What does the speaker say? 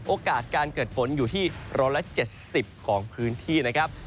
โอกาสการเกิดฝนอยู่ที่๑๗๐ของพื้นที่นะครับ